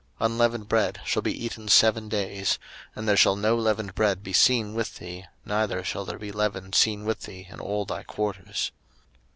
02:013:007 Unleavened bread shall be eaten seven days; and there shall no leavened bread be seen with thee, neither shall there be leaven seen with thee in all thy quarters.